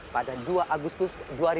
pada dua agustus dua ribu dua puluh